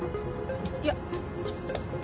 いや。